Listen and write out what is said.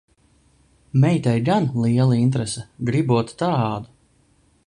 Meitai gan liela interese, gribot tādu.